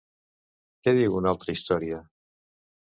Què diu una altra història?